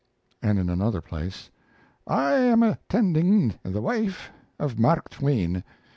And in another place: I am attending the wife of Mark Twain.